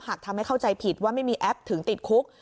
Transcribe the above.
หากทำให้เข้าใจผิดว่าไม่มีแอปถึงติดคุก